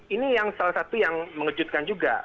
ini yang salah satu yang mengejutkan juga